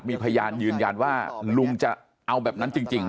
นี่ค่ะคณะเดียวกัน